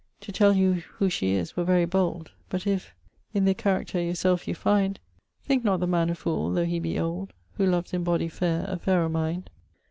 3. To tell you who she is were very bold; But if i' th' character your selfe you find Thinke not the man a fool thô he be old Who loves in body fair a fairer mind.